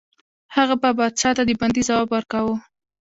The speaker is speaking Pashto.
هغه به پادشاه ته د بندي ځواب ورکاوه.